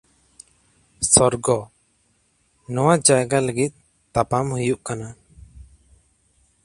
ᱥᱚᱨᱜᱚ, ᱱᱚᱶᱟ ᱡᱟᱭᱜᱟ ᱞᱟᱹᱜᱤᱫ ᱛᱟᱯᱟᱢ ᱦᱩᱭᱩᱜ ᱠᱟᱱᱟ ᱾